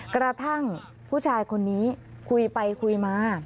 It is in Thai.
กระทั่งผู้ชายคนนี้คุยไปคุยมา